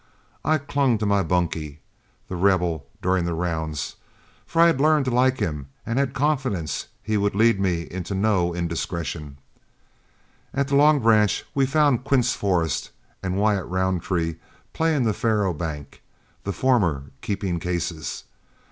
I clung to my bunkie, The Rebel, during the rounds, for I had learned to like him, and had confidence he would lead me into no indiscretions. At the Long Branch, we found Quince Forrest and Wyatt Roundtree playing the faro bank, the former keeping cases.